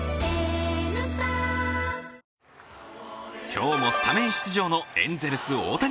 今日もスタメン出場のエンゼルス・大谷。